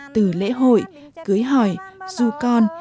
từ lễ hội cưới hỏi du con